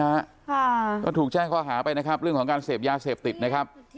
ค่ะก็ถูกแจ้งข้อหาไปนะครับเรื่องของการเสพยาเสพติดนะครับ